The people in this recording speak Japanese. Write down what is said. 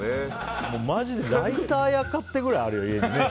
マジでライター屋かってくらいあるよ。